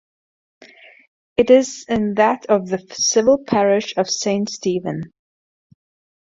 It is in that of the civil parish of Saint Stephen.